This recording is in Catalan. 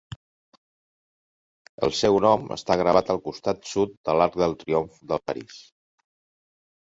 El seu nom està gravat al costat sud de l'Arc de Triomf de París.